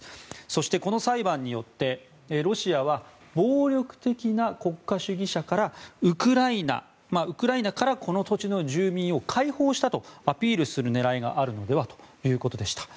そして、この裁判でロシアは暴力的な国家主義者からウクライナからこの土地の住民を解放したとアピールする狙いがあるのではということでした。